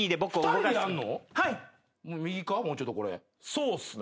そうっすね。